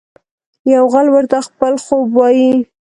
یو غل ورته خپل خوب وايي.